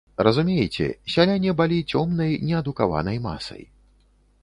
Разумееце, сяляне балі цёмнай неадукаванай масай.